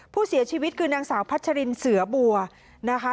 ผู้เสียชีวิตคือนางสาวพัชรินเสือบัวนะคะ